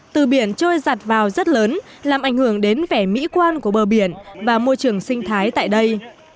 từ biển trôi giặt vào rất lớn làm ảnh hưởng đến vẻ mỹ quan của bờ biển và môi trường sinh thái tại đây